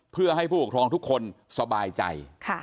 เพื่อให้ผู้ปกครองทุกคนสบายใจ